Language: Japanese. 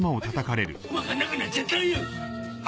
ありゃ分かんなくなっちゃったよ。